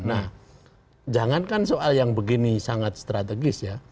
nah jangankan soal yang begini sangat strategis ya